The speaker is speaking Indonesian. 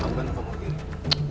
kamu kan nunggu kemungkinan